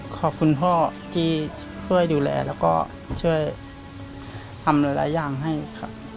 ขอบคุณพ่อที่ช่วยดูแลแล้วก็ช่วยทำหลายอย่างให้ครับ